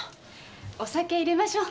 お酒入れましょう。